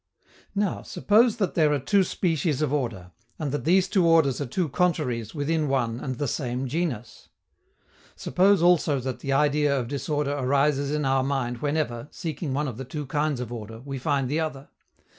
Now, suppose that there are two species of order, and that these two orders are two contraries within one and the same genus. Suppose also that the idea of disorder arises in our mind whenever, seeking one of the two kinds of order, we find the other.